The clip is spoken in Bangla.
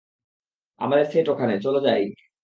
আমাদের সেট ওখানে, চলো যাই।